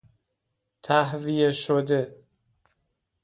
تهویه شده